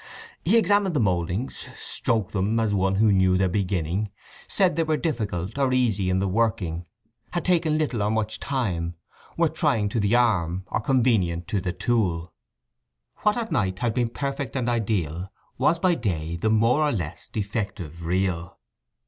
He examined the mouldings, stroked them as one who knew their beginning, said they were difficult or easy in the working, had taken little or much time, were trying to the arm, or convenient to the tool. What at night had been perfect and ideal was by day the more or less defective real.